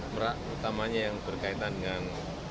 merak utamanya yang berkaitan dengan